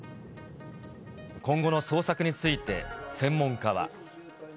今後の捜索について、専門家は。